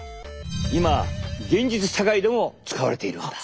今現実社会でも使われているのだ。